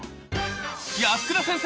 安倉先生